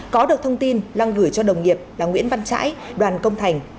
có được thông tin lăng gửi cho đồng nghiệp là nguyễn văn trãi đoàn công thành